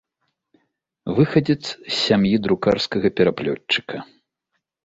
Выхадзец з сям'і друкарскага пераплётчыка.